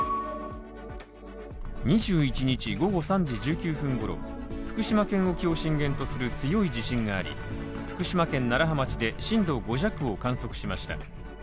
２１日午後３時１９分ごろ、福島県沖を震源とする強い地震があり福島県楢葉町で震度５弱を観測しました。